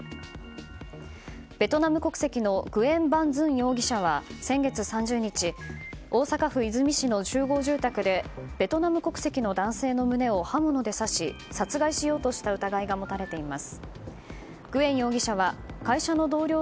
ベトナム国籍のグエン・バン・ズン容疑者は先月３０日大阪府和泉市の集合住宅でベトナム国籍の男性の胸を刃物で刺し殺害しようとした疑いが持たれています。